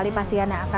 tidak ngerti apa apa